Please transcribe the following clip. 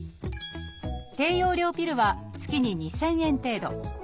低用量ピルは月に２，０００円程度。